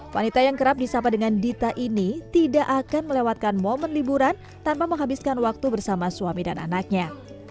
wanita yang kerap disapa dengan dita ini tidak akan melewatkan momen liburan tanpa menghabiskan waktu bersama suami dan anaknya